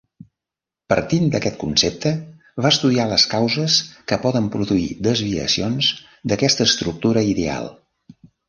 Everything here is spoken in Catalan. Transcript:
Partint d'aquest concepte va estudiar les causes que poden produir desviacions d'aquesta estructura ideal.